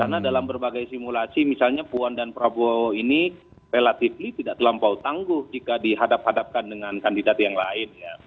karena dalam berbagai simulasi misalnya puan dan prabowo ini relatif tidak terlampau tangguh jika dihadap hadapkan dengan kandidat yang lain